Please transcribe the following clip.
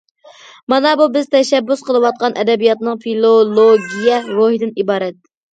مانا بۇ بىز تەشەببۇس قىلىۋاتقان ئەدەبىياتنىڭ فىلولوگىيە روھىدىن ئىبارەت.